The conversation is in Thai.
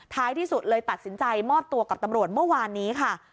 ที่สุดเลยตัดสินใจมอบตัวกับตำรวจเมื่อวานนี้ค่ะ